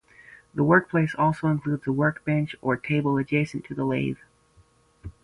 The workplace also includes a workbench or a table adjacent to the lathe.